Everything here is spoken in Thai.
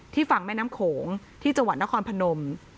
ฝั่งแม่น้ำโขงที่จังหวัดนครพนม